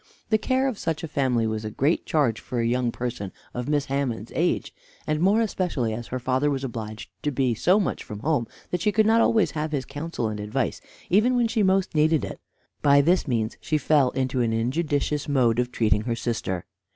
The care of such a family was a great charge for a young person of Miss Hammond's age, and more especially as her father was obliged to be so much from home that she could not always have his counsel and advice even when she most needed it. By this means she fell into an injudicious mode of treating her sister.